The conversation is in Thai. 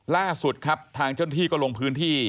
ล่าสุดครับทางเจ้าหน้าที่ก็ลงพื้นที่